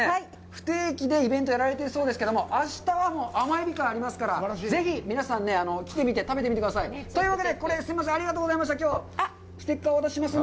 不定期でイベントをやられているそうですけど、あしたはありますから、ぜひ皆さんね、来てみて、食べてみてください。というわけで、これ、すみません、ありがとうございました。